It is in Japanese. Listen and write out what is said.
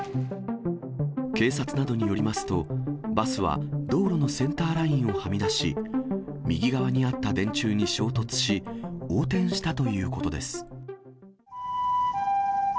警察などによりますと、バスは道路のセンターラインをはみ出し、右側にあった電柱に衝突し、横転したということです。